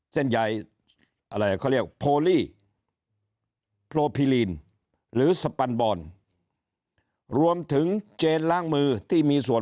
เส้นใหญ่อะไรเขาเรียกโพลี่โพลพิลีนหรือสปันบอลรวมถึงเจนล้างมือที่มีส่วน